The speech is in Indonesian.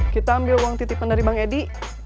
kita ambil uang titipan dari bang edi